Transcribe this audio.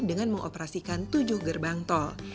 dengan mengoperasikan tujuh gerbang tol